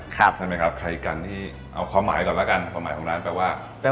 ใช่ไหมครับใครกันที่เอาความหมายก่อนแล้วกันความหมายของร้านแปลว่า